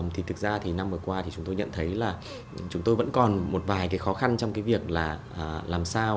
thực ra năm vừa qua chúng tôi nhận thấy là chúng tôi vẫn còn một vài khó khăn trong việc làm sao